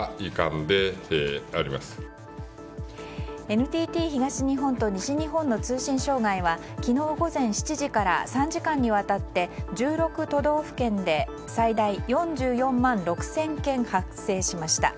ＮＴＴ東日本と西日本の通信障害は昨日午前７時から３時間にわたって１６都道府県で最大４４万６０００件発生しました。